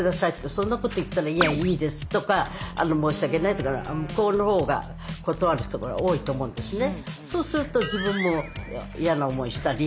そんなこと言ったら「いやいいです」とか「申し訳ない」とか向こうの方が断わる人が多いと思うんですね。